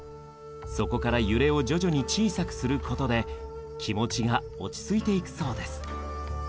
そこから揺れを徐々に小さくすることで気持ちが落ち着いていくそうです。